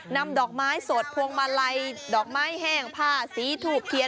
นำดอกไม้สดพวงมาลัยดอกไม้แห้งผ้าสีถูกเทียน